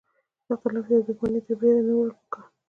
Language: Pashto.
اختلاف یې د دوښمنۍ تر بریده نه وړل پکار.